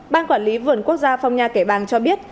ban quản lý vườn quốc gia phong nha kẻ bàng cho biết